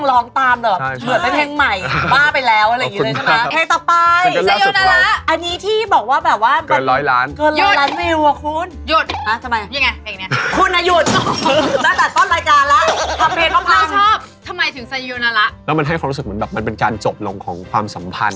แล้วมันให้ความรู้สึกเหมือนแบบมันเป็นการจบลงของความสัมพันธ